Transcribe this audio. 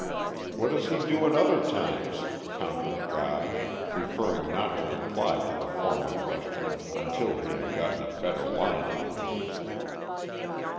"What does he do at other times?" countered Guy, preferring not to reply to the former question until he had gotten a better line on the case.